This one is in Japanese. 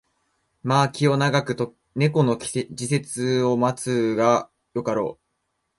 まあ気を永く猫の時節を待つがよかろう